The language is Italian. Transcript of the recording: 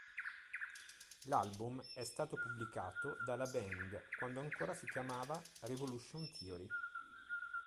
L'album è stato pubblicato dalla band quando ancora si chiamava Revolution Theory.